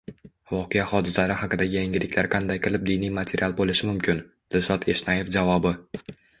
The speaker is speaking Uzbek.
Voqea-hodisalar haqidagi yangiliklar qanday qilib diniy material bo‘lishi mumkin? Dilshod Eshnayev javobi